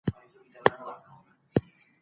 ایا تکړه پلورونکي تور ممیز پلوري؟